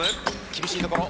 厳しいところ。